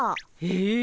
え？